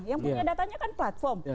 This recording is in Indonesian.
yang punya datanya kan platform